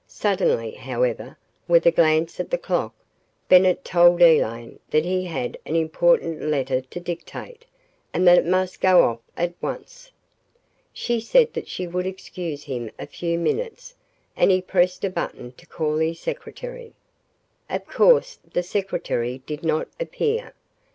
Suddenly, however, with a glance at the clock, Bennett told Elaine that he had an important letter to dictate, and that it must go off at once. She said that she would excuse him a few minutes and he pressed a button to call his secretary. Of course the secretary did not appear.